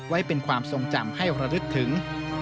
ไว้เป็นความทรงจำให้ระลึกถึง